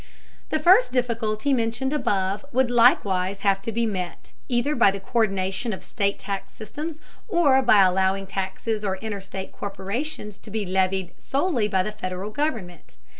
The first difficulty mentioned above would likewise have to be met, either by the co÷rdination of state tax systems, or by allowing taxes on interstate corporations to be levied solely by the Federal government.